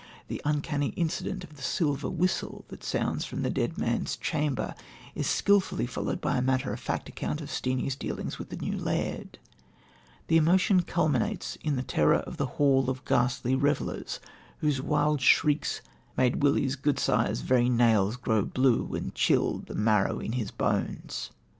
The uncanny incident of the silver whistle that sounds from the dead man's chamber is skilfully followed by a matter of fact account of Steenie's dealings with the new laird. The emotion culminates in the terror of the hall of ghastly revellers, whose wild shrieks "made Willie's gudesire's very nails grow blue and chilled the marrow in his banes."